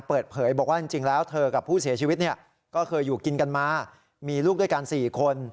เปิดเผยบอกว่าจริงแล้วเธอกับผู้เสียชีวิตก็เคยอยู่กินกันมามีลูกด้วยกัน๔คน